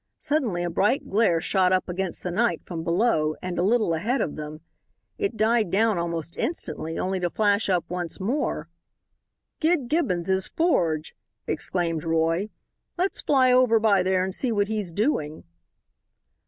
Suddenly a bright glare shot up against the night from below, and a little ahead of them. It died down almost instantly, only to flash up once more. "Gid Gibbons's forge!" exclaimed Roy. "Let's fly over by there and see what he's doing."